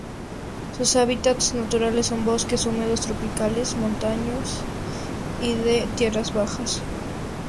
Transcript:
Sus hábitats naturales son bosques húmedos tropicales montanos y de tierras bajas.